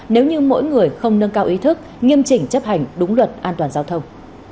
nếu như mỗi người không nâng cao ý thức nghiêm chỉnh chấp hành đúng luật an toàn giao thông